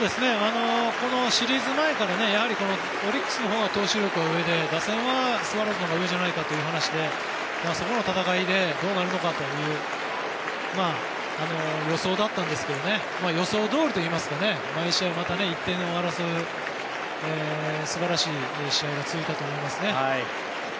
シリーズ前からオリックスのほうが投手力が上で打線はスワローズのほうが上じゃないかという話でそこの戦いでどうなるのかという予想だったんですけども予想どおりといいますか毎試合１点を争う素晴らしい試合が続いたと思いますね。